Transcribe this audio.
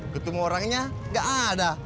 ketemu orangnya gak ada